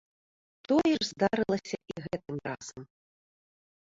Тое ж здарылася і гэтым разам.